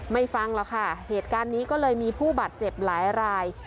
ฟังหรอกค่ะเหตุการณ์นี้ก็เลยมีผู้บาดเจ็บหลายราย